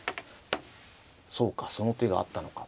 そうかその手があったのかとね。